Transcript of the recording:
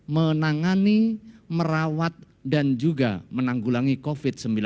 menangani merawat dan juga menanggulangi covid sembilan belas